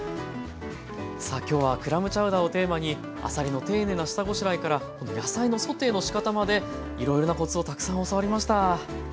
さあ今日はクラムチャウダーをテーマにあさりの丁寧な下ごしらえから野菜のソテーのしかたまでいろいろなコツをたくさん教わりました。